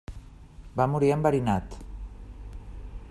Va morir enverinat.